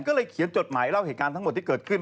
ก็เลยเขียนจดหมายเล่าเหตุการณ์ทั้งหมดที่เกิดขึ้น